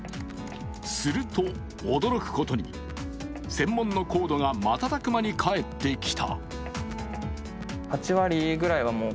すると驚くことに、専門のコードが瞬く間に返ってきた。